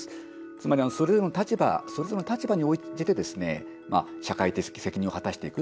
つまり、それぞれの立場に応じて社会的責任を果たしていく。